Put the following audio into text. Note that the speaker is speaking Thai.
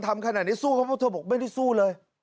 ทำขนาดนี้สู้เขาเพราะเธอบอกไม่ได้สู้เลย